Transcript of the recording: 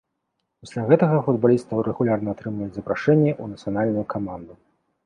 Пасля гэтага футбаліст стаў рэгулярна атрымліваць запрашэнні ў нацыянальную каманду.